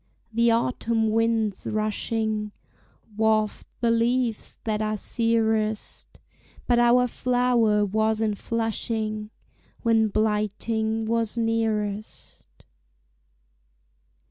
The autumn winds rushing Waft the leaves that are searest, But our flower was in flushing When blighting was nearest.